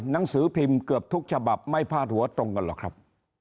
หนังสือพิมพ์เกือบทุกฉบับไม่พาดหัวตรงกันหรอกครับ